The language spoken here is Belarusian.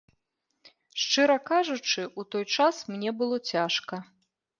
Шчыра кажучы, у той час мне было цяжка.